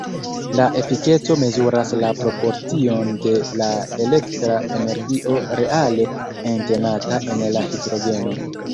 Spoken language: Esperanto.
La efikeco mezuras la proporcion de la elektra energio reale entenata en la hidrogeno.